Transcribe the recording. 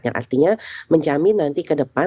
yang artinya menjamin nanti ke depan